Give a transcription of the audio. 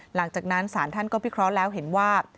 หลังจากนั้นศาลท่านก็พิเคราะห์แล้วเห็นว่า